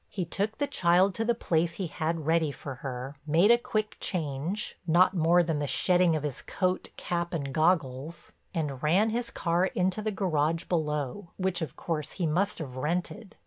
He took the child to the place he had ready for her, made a quick change—not more than the shedding of his coat, cap and goggles—and ran his car into the garage below, which of course he must have rented.